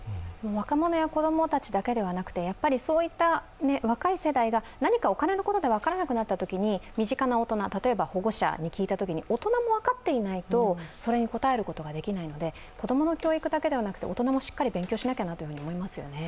若者や子供たちだけではなくて、そういった若い世代が何かお金のことで分からなくなったときに身近な大人、例えば保護者に聞いたときに大人も分かっていないとそれに答えることができないので、子供の教育だけではなく大人もしっかり勉強しなきゃなと思いますよね。